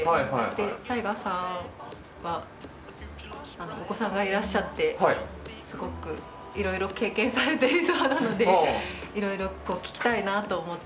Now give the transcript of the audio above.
ＴＡＩＧＡさんはお子さんがいらっしゃってすごくいろいろ経験されていそうなのでいろいろ聞きたいなと思って。